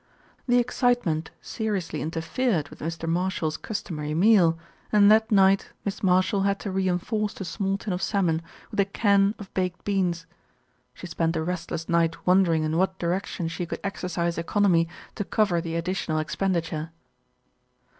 The excitement seriously interfered with Mr. Mar shall's customary meal, and that night Miss Marshall had to reinforce the small tin of salmon with a "can" of baked beans. She spent a restless night wondering in what direction she could exercise economy to cover the additional expenditure.